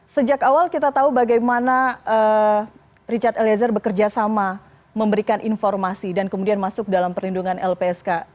sejak awal kita tahu bagaimana richard eliezer bekerja sama memberikan informasi dan kemudian masuk dalam perlindungan lpsk